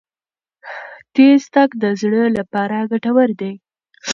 تېز تګ د زړه لپاره ګټور دی.